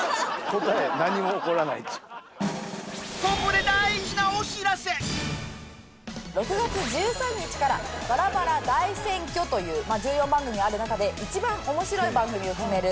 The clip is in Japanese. ここで６月１３日からバラバラ大選挙という１４番組ある中で一番面白い番組を決める